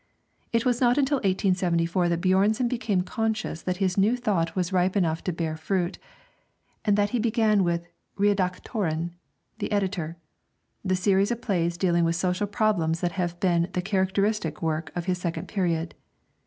It was not until 1874 that Björnson became conscious that his new thought was ripe enough to bear fruit, and that he began with 'Redaktören' (The Editor) the series of plays dealing with social problems that have been the characteristic work of his second period.